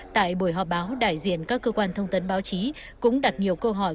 tại buổi họp báo đại diện các cơ quan thông tấn báo chí cũng đặt nhiều câu hỏi